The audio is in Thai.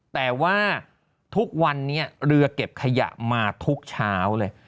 แต่ว่าทุกวันนี้เรือเก็บขยะมาทุกเช้าเลย